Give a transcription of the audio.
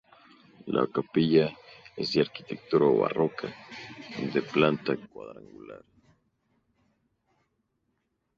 La capilla es de arquitectura barroca, de planta cuadrangular.